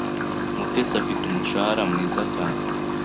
Mutesi afite umushahara mwiza cyane.